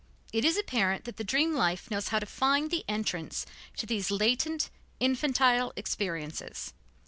It is apparent that the dream life knows how to find the entrance to these latent, infantile experiences.